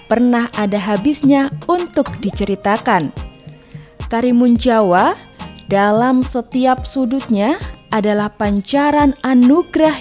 pernah ada habisnya untuk diceritakan karimun jawa dalam setiap sudutnya adalah pancaran anugerah